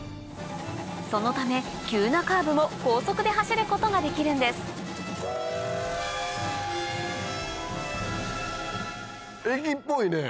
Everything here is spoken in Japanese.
そのため急なカーブも高速で走ることができるんです駅っぽいね。